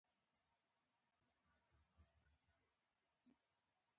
زه د ژبې زده کړې ته لیواله نه یم.